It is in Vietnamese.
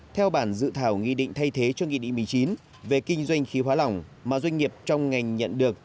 theo bản dự thảo nghị định thay thế cho nghị định một mươi chín về kinh doanh khí hóa lỏng mà doanh nghiệp trong ngành nhận được